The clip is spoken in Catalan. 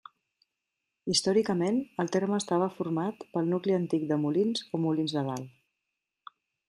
Històricament, el terme estava format pel nucli antic de Molins o Molins de Dalt.